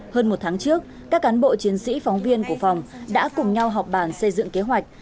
hơn một tháng trước các cán bộ chiến sĩ phóng viên của phòng đã cùng nhau họp bàn xây dựng kế hoạch